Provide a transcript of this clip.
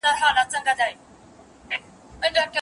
د رازونو افشاء کول اسلامي شريعت منع کړي دي.